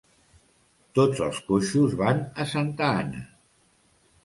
Tots els coixos van a Santa Anna.